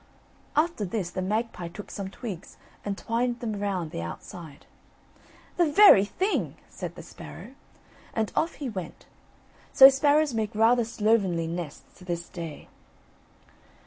After this the magpie took some twigs and twined them round the outside. "The very thing!" said the sparrow, and off he went; so sparrows make rather slovenly nests to this day.